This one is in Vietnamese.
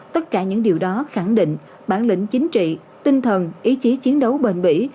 tất cả những điều đó khẳng định bản lĩnh chính trị tinh thần ý chí chiến đấu bền bỉ